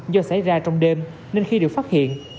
do xảy ra trong đêm nên khi được phát hiện